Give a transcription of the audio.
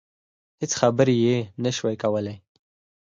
هېڅ خبرې يې نشوای کولای.